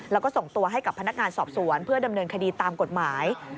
แล้วก็ส่งตัวให้กับพนักงานสอบสวนเพื่อดำเนินคดีตามกฎหมาย